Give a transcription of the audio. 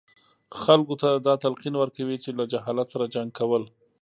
خلکو ته دا تلقین ورکوي چې له جهالت سره جنګ کول.